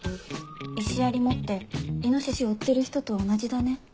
石槍持ってイノシシを追ってる人と同じだね。